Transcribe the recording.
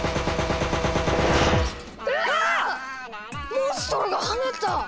モンストロが跳ねた！